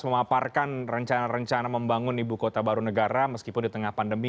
memaparkan rencana rencana membangun ibu kota baru negara meskipun di tengah pandemi